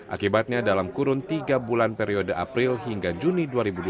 akibatnya dalam kurun tiga bulan periode april hingga juni dua ribu dua puluh